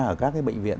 ở các cái bệnh viện